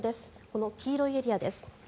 この黄色いエリアです。